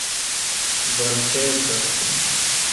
vorteto